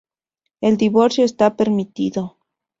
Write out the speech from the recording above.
El divorcio está permitido.